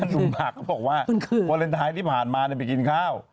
หนุ่มผักเขาบอกว่าวาเลนไทยที่ผ่านมาไปกินข้าว